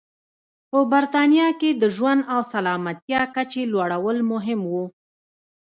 په برېټانیا کې د ژوند او سلامتیا کچې لوړول مهم و.